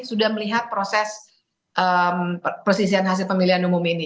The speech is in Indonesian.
sudah melihat proses perselisihan hasil pemilihan umum ini